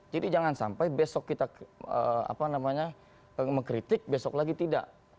jadi jangan sampai besok kita mengkritik besok lagi tidak